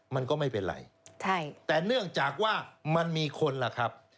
มันก็ไม่เป็นไรใช่แต่เนื่องจากว่ามันมีคนล่ะครับ